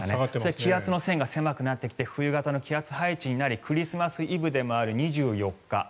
気圧の線が狭くなってきて冬型の気圧配置になりクリスマスイブでもある２４日